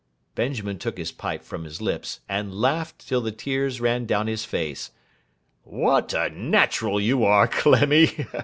Benjamin took his pipe from his lips, and laughed till the tears ran down his face. 'What a natural you are, Clemmy!